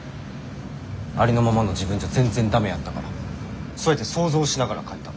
ありのままの自分じゃ全然ダメやったからそうやって想像しながら書いた。